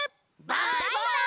バイバイ！